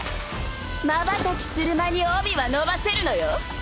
まばたきする間に帯は伸ばせるのよ